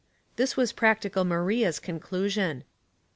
This was practical Maria's conclusion.